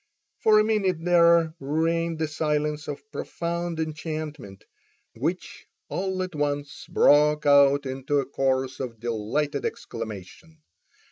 For a minute there reigned the silence of profound enchantment, which all at once broke out into a chorus of delighted exclamation.